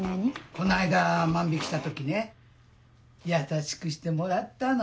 この間万引した時ね優しくしてもらったの。